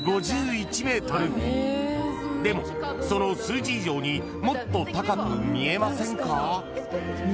［でもその数字以上にもっと高く見えませんか？］